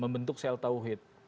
membentuk sel tawhid